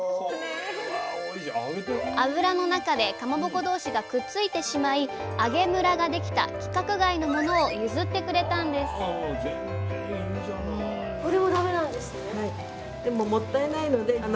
油の中でかまぼこ同士がくっついてしまい揚げムラができた規格外のものを譲ってくれたんですまあ